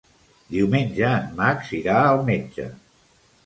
Diumenge en Max irà al metge.